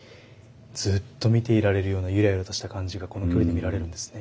ずっと見ていられるようなゆらゆらとした感じがこの距離で見られるんですね。